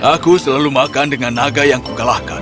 aku selalu makan dengan naga yang kukalahkan